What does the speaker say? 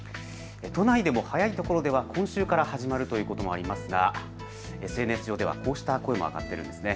都内でも早いところでは今週から始まるというところもありますが、ＳＮＳ上ではこうした声も上がっているんです。